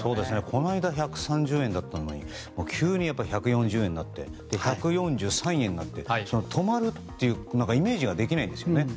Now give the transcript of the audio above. この間、１３０円だったのに急に１４０円になって１４３円になって止まるというイメージができないんですよね。